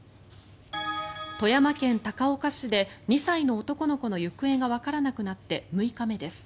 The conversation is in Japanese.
富山県高岡市で２歳の男の子の行方がわからなくなって６日目です。